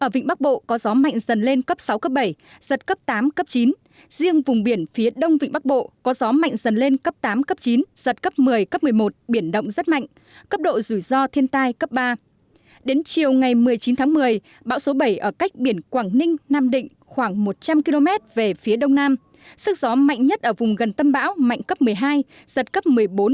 vị trí tâm báo số bảy với tên gọi quốc tế là sarika ở vào khoảng hai mươi tám độ vĩ bắc một trăm linh bảy chín độ kinh đông cách bờ biển quảng ninh nam định khoảng một trăm linh km về phía đông nam sức gió mạnh nhất ở vùng gần tâm báo mạnh cấp một mươi hai giật cấp một mươi bốn một mươi năm